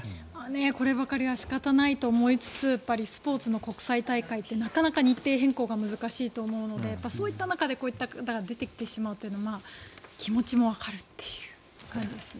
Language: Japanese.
こればかりは仕方ないと思いつつスポーツの国際大会ってなかなか日程変更が難しいと思うのでそういった中でこういう方が出てきてしまうというのは気持ちもわかるという。